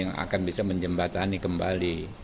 yang akan bisa menjembatani kembali